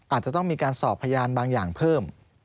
อาจจะต้องมีการสอบพยานบางอย่างเพิ่ม